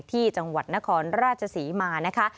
ที่จังหวัดนครราชศรีมานะคะ